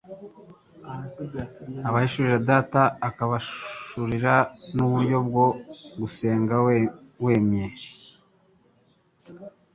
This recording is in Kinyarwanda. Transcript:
Abahishurira Data, akabahishurira n’uburyo bwo gusenga We yemera,